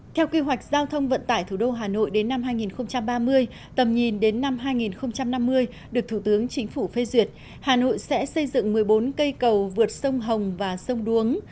theo kế hoạch giao thông vận tải thủ đô hà nội đến năm hai nghìn ba mươi tầm nhìn đến năm hai nghìn năm mươi được thủ tướng chính phủ phê duyệt hà nội sẽ xây dựng một mươi bốn cây cầu vượt sông hồng và sông đuống